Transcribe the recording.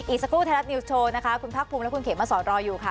อีกสักครู่ไทยรัฐนิวส์โชว์นะคะคุณภาคภูมิและคุณเขมมาสอนรออยู่ค่ะ